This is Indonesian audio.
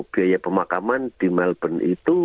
biaya pemakaman di melbourne itu